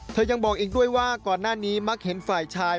ยังบอกอีกด้วยว่าก่อนหน้านี้มักเห็นฝ่ายชาย